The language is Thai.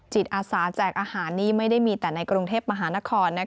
อาสาแจกอาหารนี้ไม่ได้มีแต่ในกรุงเทพมหานคร